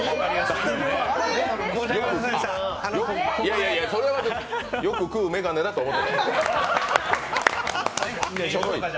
いやいや、それはよく食う眼鏡だと思ってたと。